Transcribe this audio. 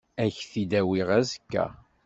Ad k-t-id-awiɣ azekka.